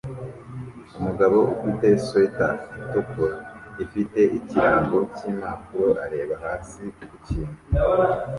Umugabo ufite swater itukura ifite ikirango cyimpapuro areba hasi kukintu